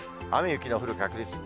雨、雪の降る確率。